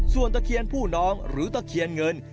ส่วนตะเคียนผู้น้องหรือตะเคียนเงิน